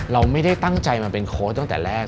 เราไม่ได้ตั้งใจมาเป็นโค้ชตั้งแต่แรก